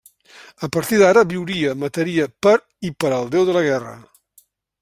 A partir d'ara viuria, mataria per i per al Déu de la guerra.